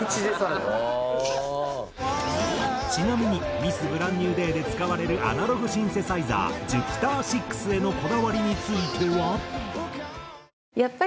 ちなみに『ミス・ブランニュー・デイ』で使われるアナログシンセサイザーＪＵＰＩＴＥＲ−６へのこだわりについては。